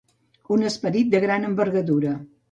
Un esperit de gran envergadura.